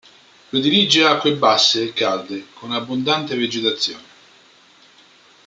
Predilige acque basse e calde con abbondante vegetazione.